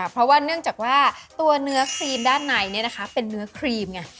เพราะว่าเนื่องจากว่าตัวเนื้อครีมด้านในเป็นเนื้อครีมไง